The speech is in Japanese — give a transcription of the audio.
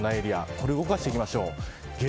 これ、動かしていきましょう。